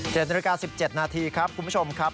๗นาฬิกา๑๗นาทีครับคุณผู้ชมครับ